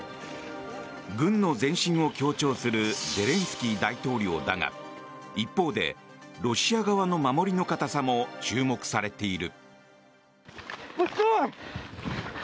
軍の前進を強調するゼレンスキー大統領だが一方で、ロシア側の守りの堅さも注目されている。